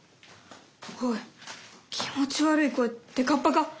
おい気持ち悪い声って河童か？